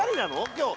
今日。